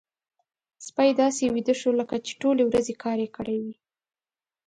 سپی داسې ویده شو لکه چې ټولې ورځې يې کار کړی وي.